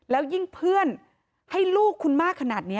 แล้วยิ่งเพื่อนให้ลูกคุณมากขนาดนี้